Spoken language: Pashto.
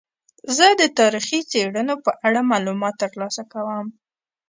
زه د تاریخي څیړنو په اړه معلومات ترلاسه کوم.